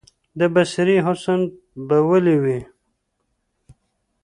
د بصرې حسن به ولي وي،